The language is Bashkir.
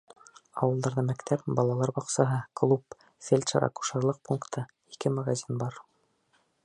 Ауылдарҙа мәктәп, балалар баҡсаһы, клуб, фельдшер-акушерлыҡ пункты, ике магазин бар.